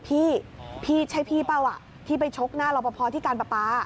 พี่ใช่พี่เปล่าที่ไปชกหน้าเราพอที่การป๊า